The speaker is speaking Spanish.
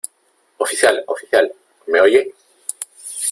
¡ oficial !¡ oficial !¿ me oye ?